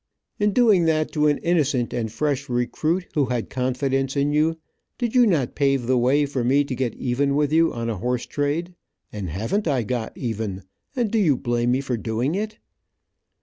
In doing that to an innocent and fresh recruit who had confidence in you, did you not pave the way for me to get even with you on a horse trade, and haven't I got even, and do you blame me for doing it?"